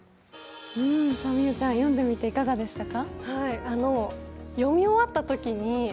美羽ちゃん、読んでみていかがでしたか？